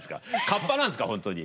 カッパなんですか本当に。